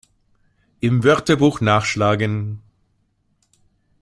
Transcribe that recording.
Im Wörterbuch nachschlagen!